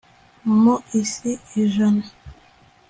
mu isi ijana